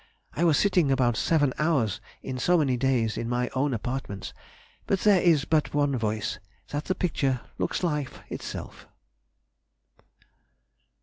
I was sitting about seven hours in so many days in my own apartments; but there is but one voice, that the picture looks life itself.